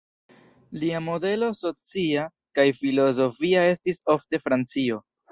Lia modelo socia kaj filozofia estis ofte Francio.